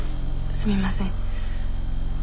すみません。